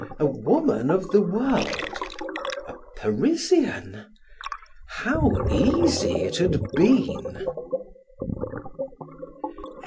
A woman of the world! A Parisian! How easy it had been!